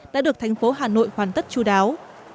đã được thành phố hà nội hoàn tất chú đáo